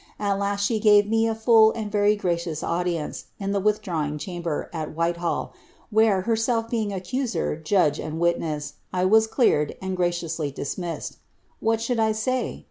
At last she gave me a full lod very gracious audience in the withdrawing chamber, at Whitehall, irhere, herself being accuser, judge, and witness, I was cleared, and gra :iously dismissed. What shotild I say